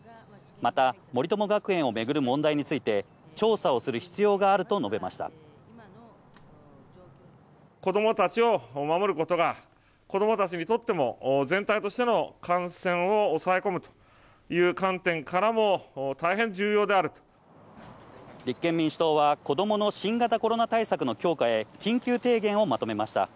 また、森友学園を巡る問題について、調査をする必要があると述べ子どもたちを守ることが、子どもたちにとっても、全体としての感染を抑え込むという観点からも、立憲民主党は、子どもの新型コロナ対策の強化へ、緊急提言をまとめました。